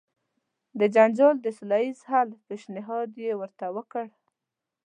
د جنجال د سوله ایز حل پېشنهاد یې ورته وکړ.